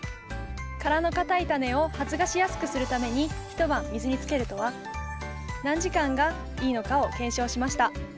殻の硬いタネを発芽しやすくするために一晩水につけるとは何時間がいいのかを検証しました。